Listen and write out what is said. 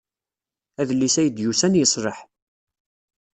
Adlis ay d-yusan yeṣleḥ.